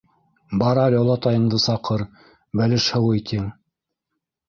- Бар әле олатайыңды саҡыр, бәлеш һыуый тиң.